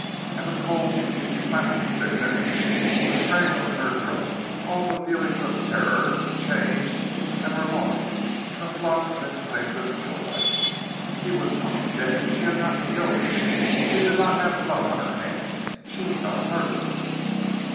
And the cold, clamping sickness, the strangle in her throat, all the feelings of terror, changed and were lost in a flood of instinctive joy. He was not dead. She had not killed him. She did not have blood on her hands. She was not a murderer.